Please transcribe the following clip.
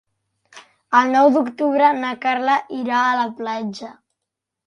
El nou d'octubre na Carla irà a la platja.